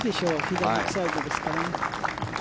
左サイドですからね。